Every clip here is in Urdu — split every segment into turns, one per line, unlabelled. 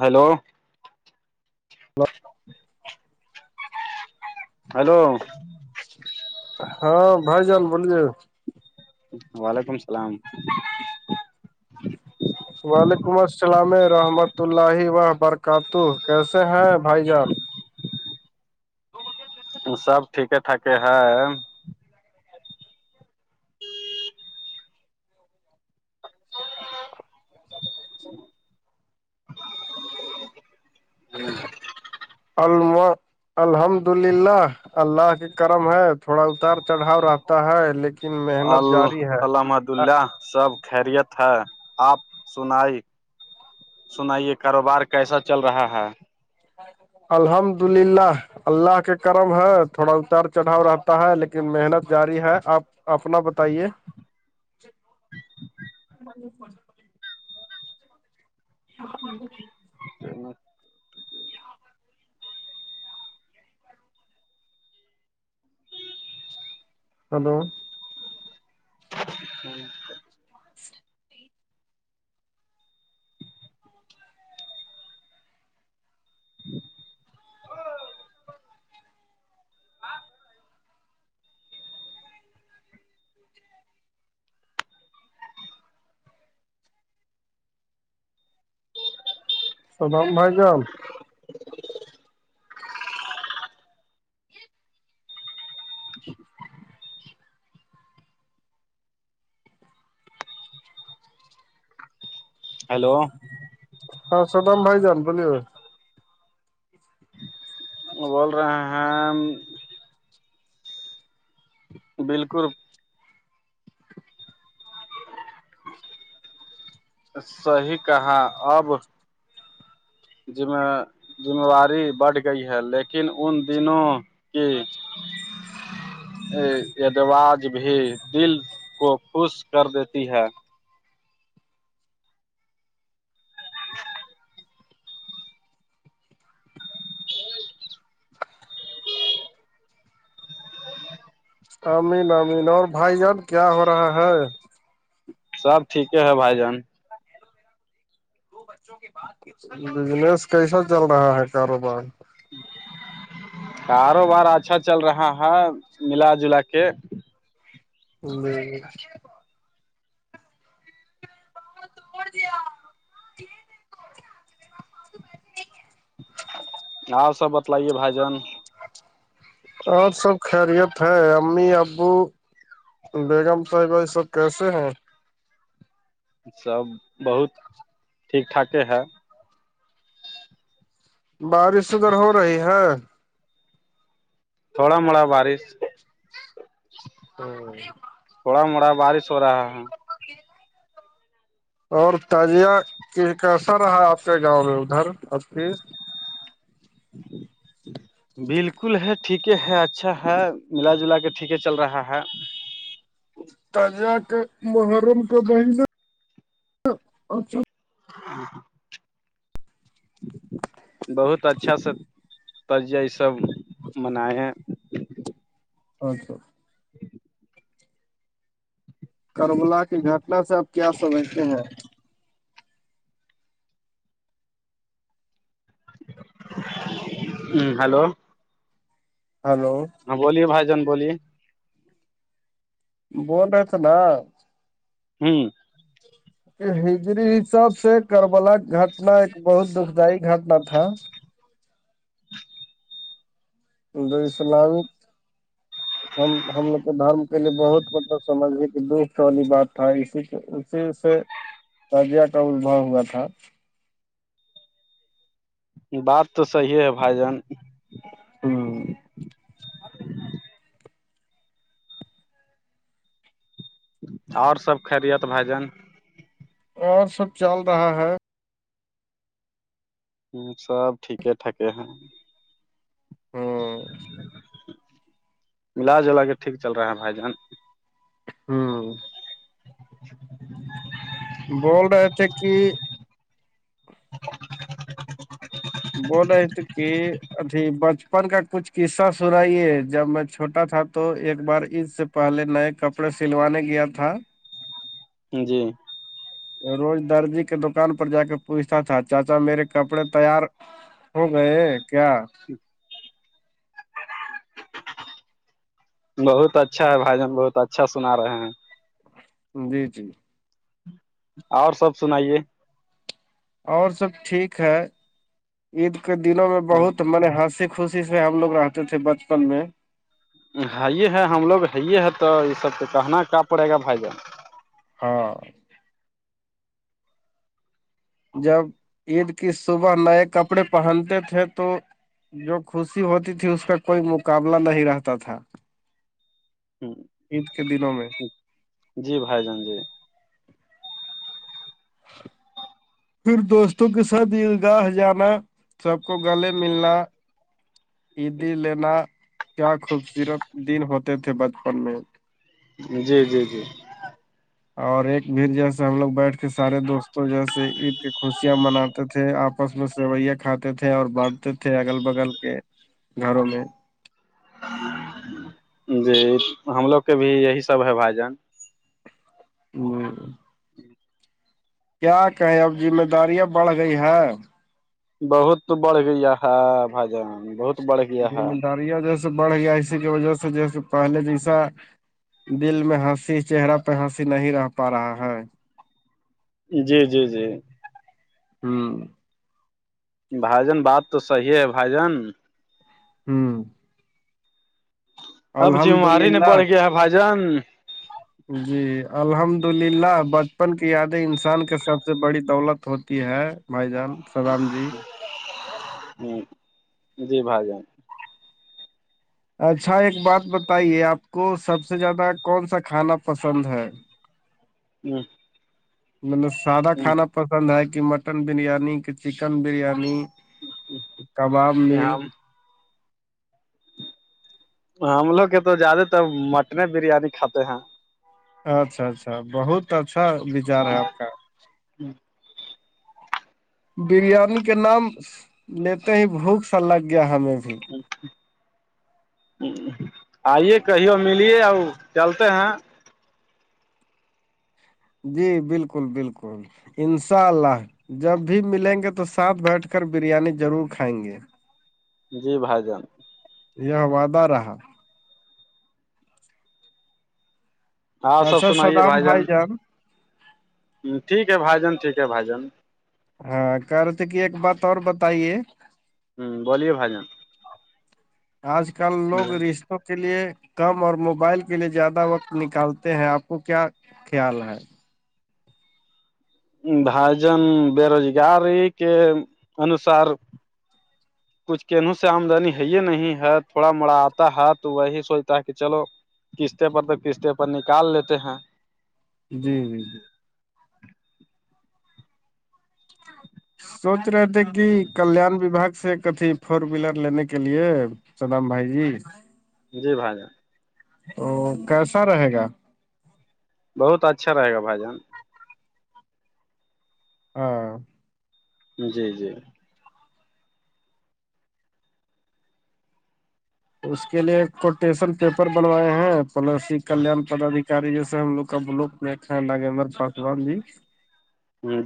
ہیلو
وق
ہیلو
ہاں بائی جان بوول جے
وعلیکم السلام
وعلیکم السلام رحمت اللہ وبرکات کیسے ہیں بھائی جان تو
سب ٹھیک ٹھاک ہے
اچھا
ہوں
اللو الحمد للہ اللہ کے کرم ہے تھوڑا اتار چڑھاؤ رہتا ہے لیکن
ال
محنت جاری ہے
الحمد اللہ سب خیریت ہے آپ سنائی سنائیے کاروبار کیسا چل رہا ہے
الحمد للہ اللہ کے کرم ہے تھوڑا اتار چڑھاؤ رہتا ہے لیکن محنت جاری ہے آپ اپنا بتائیے ہپ
ج
ہاں ہلو
ہی
سبام بائی جام اچ
ہیلو
ہاں سودام بھائی جان بولیے
بول رہے ہیں بالکل صیح کہااں اب جم ذمہواری بڑھ گئی ہے لیکن ان دنوں ہوں ادوج بھی دل کو خوش کر دیتی ہے
امین امین اور بھائی ار کیا ہو رہا ہے
سب ٹھیک ہے بھائی جان
بجنس کیسا چل رہا ہے کاروبار
کاروبار اچھا چل رہا ہے ملا جلا کے
ج اورڑ دیا
آپ سب بتلائیے بھائی جان
آج سب خیریت ہے امی ابو بیگم صاحبھائی سب کیسے ہیں
سب بہت ٹھیک ٹھاک ہے
بارش ادھر ہو رہی ہے
تھوڑا موڑا بارش
ہوں
تھوڑا موڑا بارش ہو رہا ہے
اوکے اور تجیہ کیسا رہا آپ کے گاؤں میں ادھر اب کی
ج بالکل ہے ٹھیک ہے اچھا ہے ملا جلا کے ٹھیک چل رہا ہے
تجہ کا محرم کا بہند
بہت اچھا س [unintelligible] تریہ یہ سب منائے ہیں
اچھا کربلا کی گھٹنا سے آپ کیا سمجھتے ہیں
ہ ہلو [unintelligible]
ہلو
ہاں بولیے بائی جان بولیے
بول رہلا [unintelligible]
ہوں
ہجری حساب سے کربلا گھٹنا ایک بہت دکھد گھٹنا تھا الد السلام [unintelligible]
[inaudible]
ہم ہم لوگ کے دھرم کے لیے بہت مطلب سمجھ گئے کہ دکھ والی بات تھا اسی اسی سے تجیہ ٹ با ہوا تھا [unintelligible]
بات تو صیح ہے بھائی جان
ہوں
اور سب خرییت بھجن [unintelligible]
اور سب چل رہا ہے
سب ٹھیک ٹاکے ہے
ہاں
ملا جلا کے ٹھیک چل رہا ہے بھائی جان
ہوں بول رہے تھے کہ
[inaudible]
بولے تھ کہ اھی بچپن کا کچھ قصہ سنائیے جب میں چھوٹا تھا تو ایک بار اس سے پہلے نئے کپڑے سلوانے گیا تھا
جی
روز درجی کے دکان پر جا کے پوچھتا تھا چاچا میرے کپڑے تیار [unintelligible] ہو گئے کیا
بہت اچھا ہے بھائی جان بہت اچھا سنا رہے ہیں
جی جی
اور سب سنائیے
اور سب ٹھیک ہے عید کے دنوں میں بہت من ہاسک خوشی سے ہم لوگ رہتے تھے بچپن میں
ہے ہی ہے ہم لوگ ہے ہی ہے تو یہ سب تو کہنا کیا پڑے گا بھائی جان
ہاں جب عید کی صبح نئے کپڑے پہنتے تھے تو جو خوشی ہوتی تھی اس کا کوئی مقابلہ نہیں رہتا تھا
ہوں
عید کے دنوں میں
جی بھائی جان جی
پھر دوستوں کے ساتھ عید گاہ جانا سب کو گلے ملنا عیدی لینا کیا خوبصورت دن ہوتے تھے بچپن میں
جی جی جی
اور ایک بھی جیسے ہم لوگ بیٹھ کے سارے دوستوں جیسے عید کی خوشیاں مناتے تھے آپ آپس میں سیوئیاں کھاتے تھے اور بانٹتے تھے اگل بگل کے گھروں میں
جی ہم لوگ کے بھی یہی سب ہے بھ جان [unintelligible]
[inaudible] کیا کہے اب ذمہ داریاں بڑھ گئی ہے
بہت بڑھ گیا ہ بھ جان بہت بڑھ گیا ہے
ذمہ داریاں جیسے بڑھ گیا اسی کی وجہ سے جیسے پہلے جیسا دل میں ہنسی چہرہ پہ ہنسی نہیں رہ پا رہا ہے
جی جی جی
ہوں
بھائی جان بات تو صحیح ہے بھائی جان
ہوں
اب
الحمد
جمواری نہیں
للہ
پڑ گیا ہے بھائی جان
جی الحمد للہ بچپن کی یادیں انسان کے سب سے بڑی دولت ہوتی ہے مائی جان سلام جی
ہ جی بھا جیں
اچھا ایک بات بتائیے آپ کو سب سے زیادہ کون سا کھانا پسند ہے
[unintelligible]
مطلب سادہ کھانا پسند ہے کہ مٹن بریانی کہ چکن بریانی کباب مل
ہم ہم لوگ کے تو زیادہ تر مٹن بریانی کھاتے ہیں
اچھا اچھا بہت اچھا وچار ہے آپ کا
[unintelligible]
بریانی کے نام لیتے ہی بھوک سا لگ گیا ہمیں بھی
آئیے کہی ملیے ا چلتے ہیں
جی بالکل بالکل انشاء اللہ جب بھی ملیں گے تو ساتھ بیٹھ کر بریانی ضرور کھائیں گے
جی بھائی جان
یہ وعدہ رہا
ہاں سب سنائیے بھائی جان ٹھیک ہے بھائی جان ٹھیک ہےھائی جان
ہاں کر رہ تھ کہ ایک بات اور بتائیے
ہوں بویے بائی جان
آج کل لوگ رش کے لیے کم اور موبائل کے لیے زیادہ وقت نکالتے ہیں آپ کو کیا خیال ہے
بھاجن بےروزگاری کے انوسار کچھ کینوں سے آمدنی ہے ہی نہیں ہے تھوڑا مڑا آتا ہے تو وہی سوچتا ہے کہ چلو قسطتے پر تو قسط پر نکال لیتے ہیں
جی جی جی سوچ رہے تھے کہ کلان وباگ سے کتھی فور ویلر لینے کے لیے چدم بھائی جی
جی بھائی جان
تو کیسا رہے گا
بہت اچھا رہےا بھائی جان
ہاں
جی جی
اس کے لیے کوٹیشن پیپر بنوائے ہیں پلس ہی کلان پدادیکاری جیسے ہم لوگ کا ب لو میںھ ناگمر پاسوان جی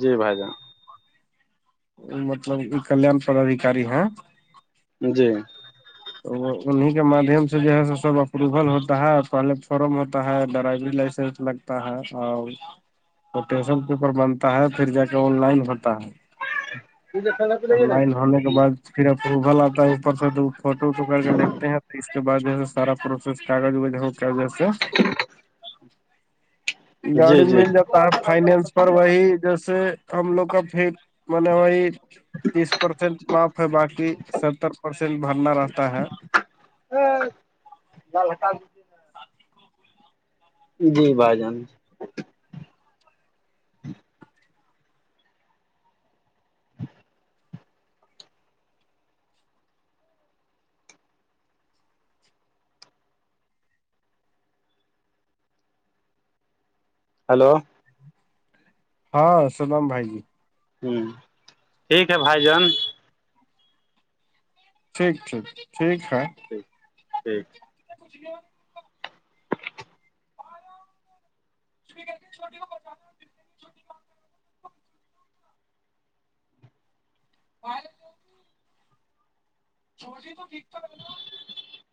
جی بھائی جان
مطلب یہ کلان پدادیکاری ہیں
جی
تو وہ انہیں کے مادھیم سے جو ہے س سب اپروول ہوتا ہے پہلے فارم ہوتا ہے ڈرائیگ لائسنس لگ تا اور کوٹیشن پیپر بنتا ہے پھر جا کے آن لائن ہوتا ہے اور لائن ہونے کے بعد پھر ا اوبل آتا ہے اوپر سے تو فوٹو ووٹو کر کے لگتے ہیں تو اس کے بع جو سارا پروسیس کاغذ وغ ہو کر جیسے [unintelligible]
[unintelligible] جی
گاڑی
جی
مل جاتا ہے فائننس پر وہی جیسے کم لوک م نے وہی [unintelligible] تیس پرسینٹ معاف ہے باقی ستر پرسینٹ بھرنا رہتا ہے
ہ جک [unintelligible] جی بھائی جان ہلو
ہاں سلام بائی جی
ہوں ٹھیک ہے بھائی جان
ٹھیک ٹھیک ٹھیک ہے
ٹھیک ٹھیک
کچ گ [unintelligible] کہ چھوٹی ہوہچان [unintelligible] اور چوج سے تو ٹیکاک [unintelligible]